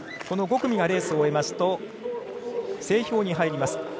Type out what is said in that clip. この５組がレースを終えますと整氷に入ります。